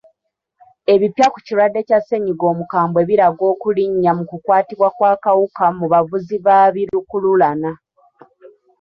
Ebipya ku kirwadde kya ssennyiga omukambwe biraga okulinnya mu kukwatibwa kw'akawuka mu bavuzi ba bi lukululana.